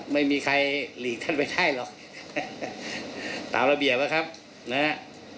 ไม่มีใครหลีกท่านไปได้หรอกตามระเบียบนะครับนะฮะ